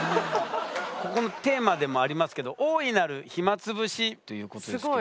ここのテーマでもありますけど「大いなる暇つぶし」ということですけど。